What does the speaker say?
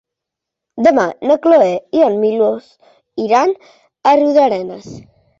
Demà na Cloè i en Milos iran a Riudarenes.